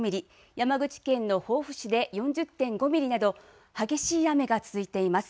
山口県の防府市で４０．５ミリなど激しい雨が続いています。